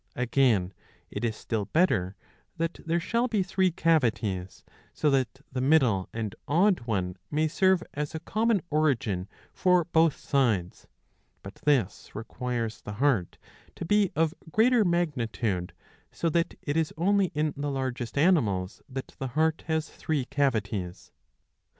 Again it is still better that there shall be three cavities, so that the middle and odd one may serve as a common origin for both sides.^^ But this requires the heart to be of greater magnitude, so that it is only in the largest animals that the heart has three cavities.